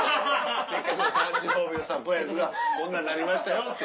せっかくの誕生日サプライズがこんなんなりましたよって